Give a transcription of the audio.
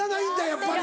やっぱり。